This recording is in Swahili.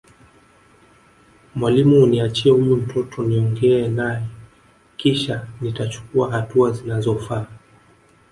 mwalimu uniachie huyu mtoto niongea naye kisha nitachukua hatua zinazofaa